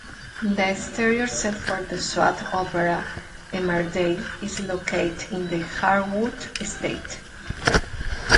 The exterior set for the soap opera "Emmerdale" is located in the Harewood estate.